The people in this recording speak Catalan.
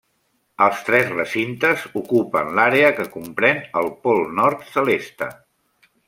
Els tres recintes ocupen l'àrea que compren el Pol nord celeste.